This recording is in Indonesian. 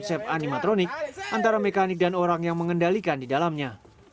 konsep animatronik antara mekanik dan orang yang mengendalikan di dalamnya